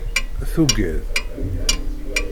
Tuggad.